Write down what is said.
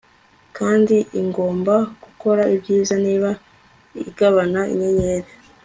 Kandi igomba gukora ibyiza niba igabana inyenyeri